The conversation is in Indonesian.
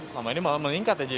selama ini malah meningkat ya jadi